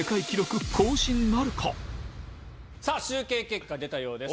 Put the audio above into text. さぁ集計結果出たようです